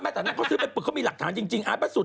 ไม่แต่นั่นเขาซื้อเป็นปรึกเขามีหลักฐานจริงอาบสุทธิ์